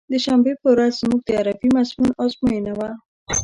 د شنبې په ورځ زموږ د عربي مضمون ازموينه وه.